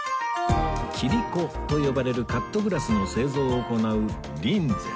切子と呼ばれるカットグラスの製造を行う凛然